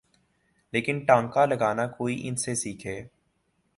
لیکن ٹانکا لگانا کوئی ان سے سیکھے۔